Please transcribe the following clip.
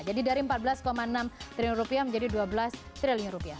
jadi dari empat belas enam triliun rupiah menjadi dua belas triliun rupiah